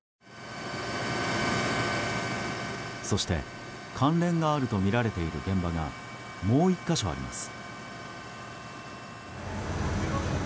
そして、関連があるとみられている現場がもう１か所あります。